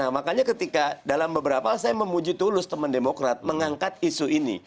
makanya ketika dalam beberapa saya memuji tulus teman demokrat mengangkat isu ini